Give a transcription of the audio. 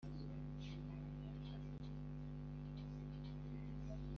nta bwo nabura icyoto i cyitwa-mpundu.